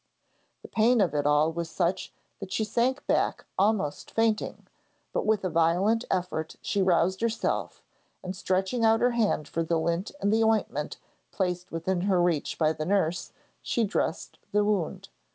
The pain of it all was such that she sank back almost fainting, but with a violent effort she roused herself, and stretching out her hand for the lint and the ointment placed within her reach by the nurse, she dressed the wound.